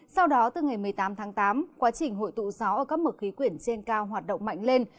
sau đó từ ngày một mươi tám tháng tám quá trình hội tụ gió ở các mực khí quyển trên cao hoạt động mạnh lên